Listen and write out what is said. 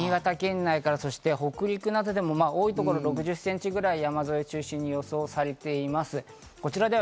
新潟県内から北陸などでも、多い所で６０センチぐらい、山沿いを中心に予想されています。